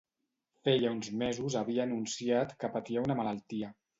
Feia uns mesos havia anunciat que patia una malaltia.